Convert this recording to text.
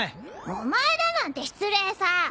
お前だなんて失礼さ！